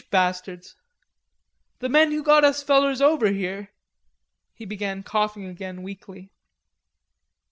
"Which bastards?" "The men who got us fellers over here." He began coughing again weakly.